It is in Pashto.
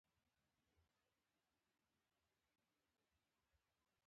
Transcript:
_زوی ته دې شېدې راوړه.